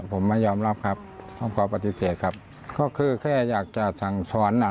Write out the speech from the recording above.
ผมไม่ยอมรับครับผมขอปฏิเสธครับก็คือแค่อยากจะสั่งสอนอ่ะ